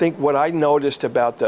dan kemudian ada setelah itu